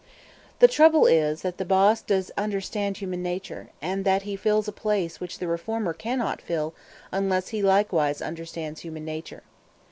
The trouble is that the boss does understand human nature, and that he fills a place which the reformer cannot fill unless he likewise understands human nature.